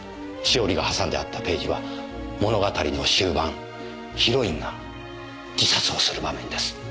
しおりが挟んであったページは物語の終盤ヒロインが自殺をする場面です。